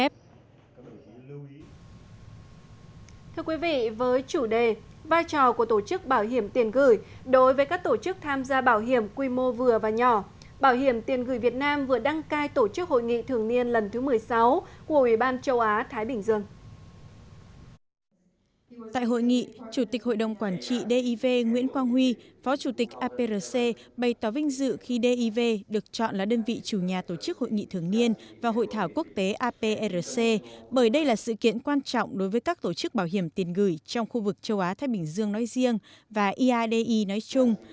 tại hội nghị chủ tịch hội đồng quản trị div nguyễn quang huy phó chủ tịch aprc bày tỏ vinh dự khi div được chọn là đơn vị chủ nhà tổ chức hội nghị thường niên và hội thảo quốc tế aprc bởi đây là sự kiện quan trọng đối với các tổ chức bảo hiểm tiền gửi trong khu vực châu á thái bình dương nói riêng và eidi nói chung